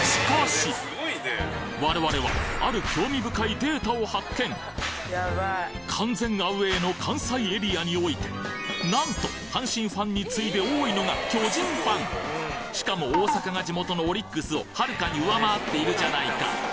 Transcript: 我々は完全アウェーの関西エリアにおいてなんと阪神ファンに次いで多いのが巨人ファンしかも大阪が地元のオリックスをはるかに上回っているじゃないか